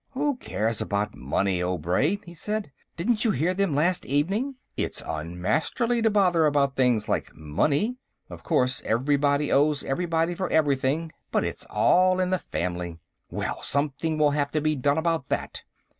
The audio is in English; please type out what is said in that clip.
"Who cares about money, Obray," he said. "Didn't you hear them, last evening? It's un Masterly to bother about things like money. Of course, everybody owes everybody for everything, but it's all in the family." "Well, something will have to be done about that!"